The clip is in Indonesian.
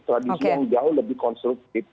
tradisi yang jauh lebih konstruktif